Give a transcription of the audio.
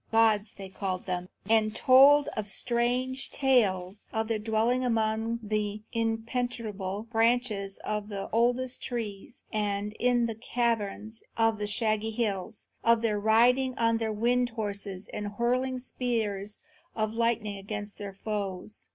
Gods, they called them, and told strange tales of their dwelling among the impenetrable branches of the oldest trees and in the caverns of the shaggy hills; of their riding on the wind horses and hurling spears of lightning against their foes.